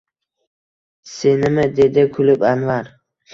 –Senimi? – dedi kulib Anvar.